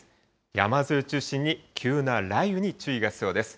山沿いを中心に急な雷雨に注意が必要です。